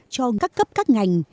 cho các cấp các ngành